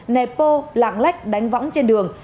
nẹp pô lạng lách đánh võng trên đường